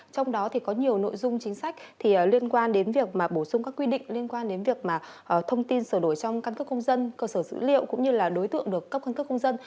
trong đó có nhiều nội dung chính sách liên quan đến việc bổ sung các quy định liên quan đến việc thông tin sửa đổi trong căng cấp công dân cơ sở dữ liệu cũng như đối tượng được cấp căng cấp công dân